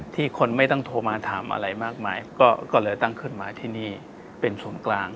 คนไม่ต้องโทรมาถามอะไรมากมายก็เลยตั้งขึ้นมาที่นี่เป็นศูนย์กลาง